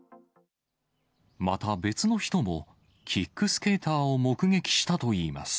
また別の人も、キックスケーターを目撃したといいます。